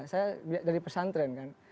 saya dari pesantren kan